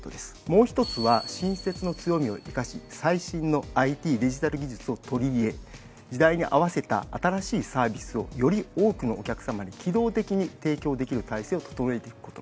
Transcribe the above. もう一つは新設の強みを生かし最新のＩＴデジタル技術を取り入れ時代に合わせた新しいサービスをより多くのお客さまに機動的に提供できる体制を整えていることです。